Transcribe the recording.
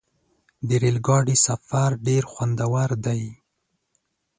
د ریل ګاډي سفر ډېر خوندور دی.